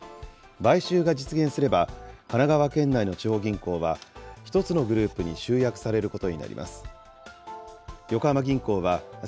買収が実現すれば、神奈川県内の地方銀行は１つのグループに集約されることになります。